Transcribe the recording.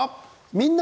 「みんな！